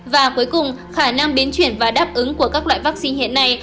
và cuối cùng khả năng biến chuyển và đáp ứng của các loại vaccine hiện nay